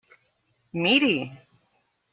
Miri!